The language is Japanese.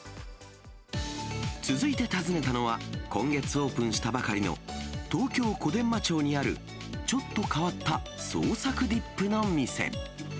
続いて訪ねたのは、今月オープンしたばかりの東京・小伝馬町にあるちょっと変わった創作ディップの店。